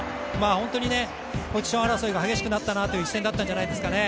本当にポジション争いが激しくなったなという一戦だったんじゃないですかね。